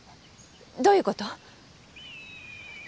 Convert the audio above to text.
どういうこと？